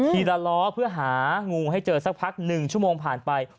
ทีละล้อเพื่อหางูให้เจอสักพัก๑ชั่วโมงผ่านไป